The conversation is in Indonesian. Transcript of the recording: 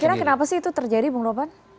kira kira kenapa sih itu terjadi bung ropan